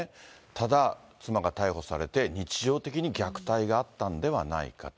ただ、妻が逮捕されて、日常的に虐待があったのではないかと。